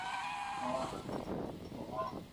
中国国民党籍政治人物。